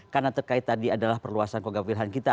karena terkait tadi adalah perluasan kogam wilhan kita